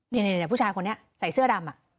นี่ผู้ชายคนนี้ใส่เสื้อดำ